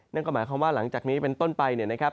นั่นก็หมายความว่าหลังจากนี้เป็นต้นไปเนี่ยนะครับ